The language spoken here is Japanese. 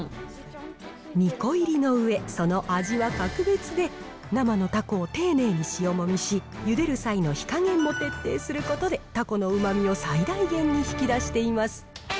２個入りのうえ、その味は格別で、生のたこを丁寧に塩もみし、ゆでる際の火加減も徹底することで、たこのうまみを最大限に引き出しています。